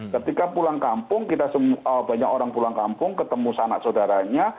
ketika pulang kampung kita semua banyak orang pulang kampung ketemu anak saudaranya